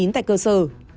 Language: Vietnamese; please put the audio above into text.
tại cơ sở